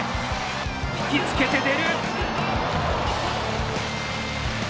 引きつけて出る！